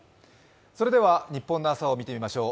それではニッポンの朝を見てみましょう。